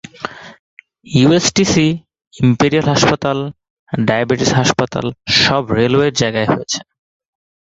USTC, Imperial হাসপাতাল, diabetes হাসপাতাল সব রেলওয়ের জায়গায় হয়েছে।